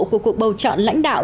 của cuộc bầu chọn lãnh đạo